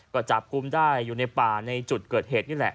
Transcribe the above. ก็จับกลุ่มได้อยู่ในป่าในจุดเกิดเหตุนี่แหละ